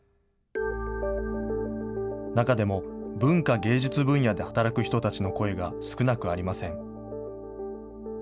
中でも、文化・芸術分野で働く人たちの声が少なくありません。